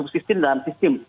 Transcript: sistem dalam sistem